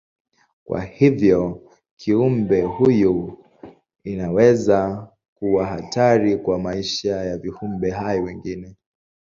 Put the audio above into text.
Kwa hivyo kiumbe huyu inaweza kuwa hatari kwa maisha ya viumbe hai wengine.